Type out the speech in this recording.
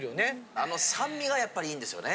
あの酸味がやっぱり良いんですよね。